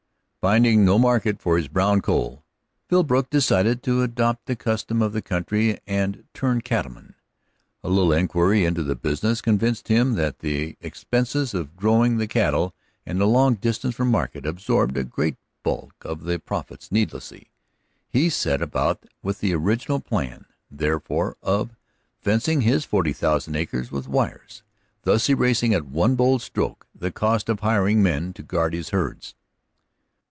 Finding no market for his brown coal, Philbrook decided to adopt the customs of the country and turn cattleman. A little inquiry into that business convinced him that the expenses of growing the cattle and the long distance from market absorbed a great bulk of the profits needlessly. He set about with the original plan, therefore, of fencing his forty thousand acres with wire, thus erasing at one bold stroke the cost of hiring men to guard his herds.